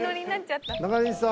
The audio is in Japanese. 中西さん。